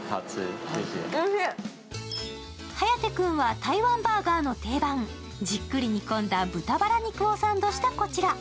颯君は台湾バーガーの定番、じっくり煮込んだ豚ばら肉をサンドしたこちら。